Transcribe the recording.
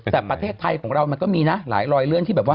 แต่ประเทศไทยของเรามันก็มีนะหลายรอยเลื่อนที่แบบว่า